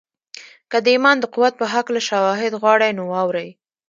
که د ایمان د قوت په هکله شواهد غواړئ نو واورئ